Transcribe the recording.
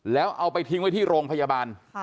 แล้วเอาไปทิ้งไว้ที่โรงพยาบาล